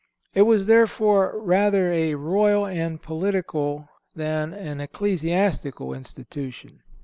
It was, therefore, rather a royal and political than an ecclesiastical institution.